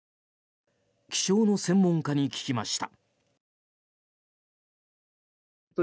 気象の専門家に聞きました。